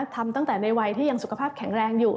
ทำตั้งแต่ในวัยที่ยังสุขภาพแข็งแรงอยู่